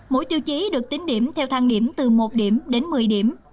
mỗi tiêu chí được tính điểm theo thang điểm từ một điểm đến một mươi điểm